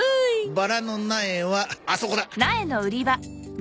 バラの苗はあそこだ。